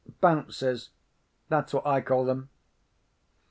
Bouncers—that's what I call them.